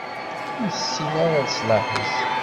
Ur tessin ara leṣlaḥ-is.